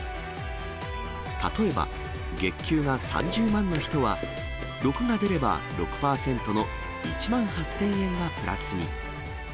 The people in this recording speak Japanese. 例えば、月給が３０万の人は、６が出れば６％の１万８０００円がプラスに。